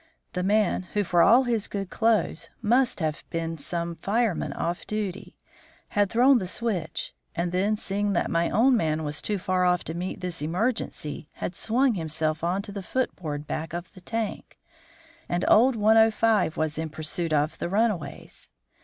The man, who for all his good clothes, must have been some fireman off duty, had thrown the switch, and then, seeing that my own man was too far off to meet this emergency, had swung himself on to the foot board back of the tank; and old 105 was in pursuit of the runaways.